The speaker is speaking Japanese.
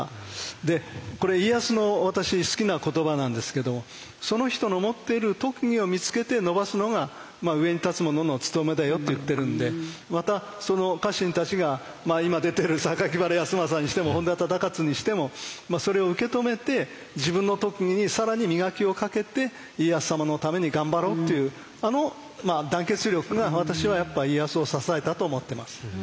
でこれ家康の私好きな言葉なんですけどその人の持っている特技を見つけて伸ばすのが上に立つ者の務めだよって言ってるんでまたその家臣たちが今出てる榊原康政にしても本多忠勝にしてもそれを受け止めて自分の特技に更に磨きをかけて家康様のために頑張ろうっていうあの団結力が私はやっぱ家康を支えたと思ってます。